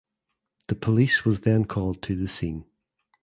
The police was then called to the scene.